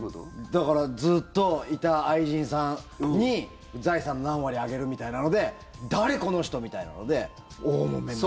だからずっといた愛人さんに財産、何割あげるみたいなので誰、この人？みたいなので大もめになる。